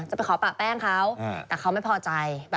ไปขอปะแป้งเขาแต่เขาไม่พอใจ